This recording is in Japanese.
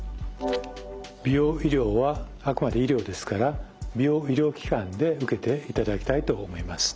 美容医療はあくまで医療ですから美容医療機関で受けていただきたいと思います。